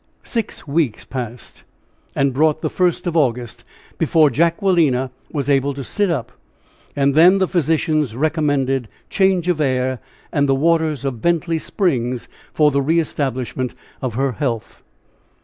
Six weeks passed and brought the first of August, before Jacquelina was able to sit up, and then the physicians recommended change of air and the waters of Bentley Springs for the re establishment of her health.